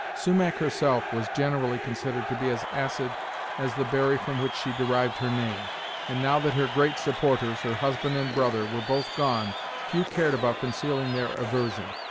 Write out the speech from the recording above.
Sumach, herself, was generally considered to be as acid as the berry from which she derived her name, and now that her great supporters, her husband and brother, were both gone, few cared about concealing their aversion.